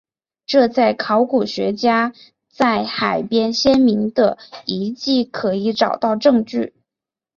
这在考古学家在海边先民的遗迹可以找到证据。